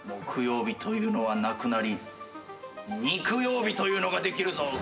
木曜日というのはなくなりにく曜日というのができるぞ。